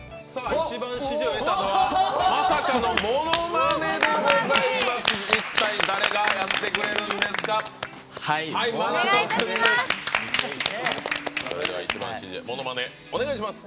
一番支持を得たのはまさかのものまねでございます。